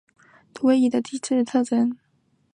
本表列出已命名的土卫一的地质特征。